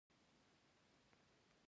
په تاریخ کې هر شی ثبتېږي.